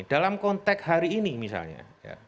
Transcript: dalam konteks hari ini misalnya